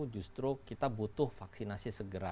justru kita butuh vaksinasi segera